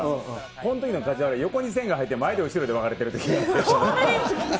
このときの梶原、横に線が入って、前と後ろで分かれてるときで。